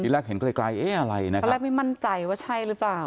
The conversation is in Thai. แรกเห็นไกลเอ๊ะอะไรนะครับตอนแรกไม่มั่นใจว่าใช่หรือเปล่า